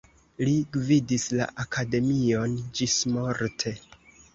Li gvidis la akademion ĝismorte.